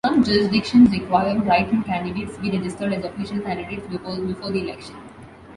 Some jurisdictions require write-in candidates be registered as official candidates before the election.